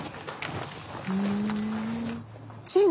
ふん。